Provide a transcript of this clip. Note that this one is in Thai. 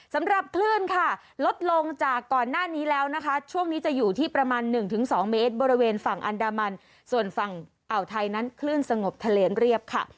สำหรับคลื่นค่ะลดลงจากก่อนหน้านี้แล้วนะคะช่วงนี้จะอยู่ที่ประมาณ๑๒เมตรบริเวณฝั่งอันดามันส่วนฝั่งอ่าวไทยนั้นคลื่นสงบทะเลเรียบค่ะ